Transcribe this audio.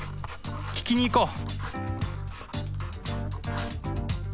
聞きに行こう！